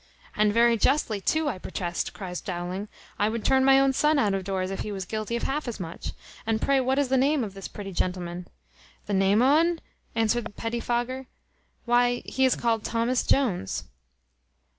"And very justly too, I protest," cries Dowling; "I would turn my own son out of doors, if he was guilty of half as much. And pray what is the name of this pretty gentleman?" "The name o' un?" answered Petty fogger; "why, he is called Thomas Jones."